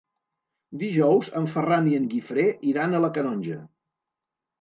Dijous en Ferran i en Guifré iran a la Canonja.